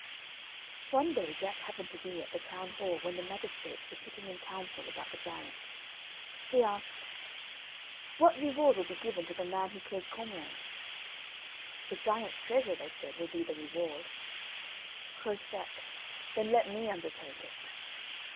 One day Jack happened to be at the town hall when the magistrates were sitting in council about the Giant. He asked: "What reward will be given to the man who kills Cormoran?" "The giant's treasure," they said, "will be the reward." Quoth Jack: "Then let me undertake it."